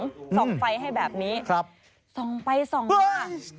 ส่องไฟให้แบบนี้ครับส่องไปส่องมา